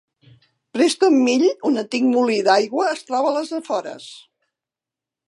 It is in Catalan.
Preston Mill, un antic molí d'aigua, es troba als afores.